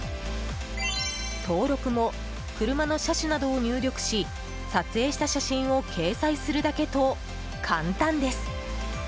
登録も車の車種などを入力し撮影した写真を掲載するだけと簡単です。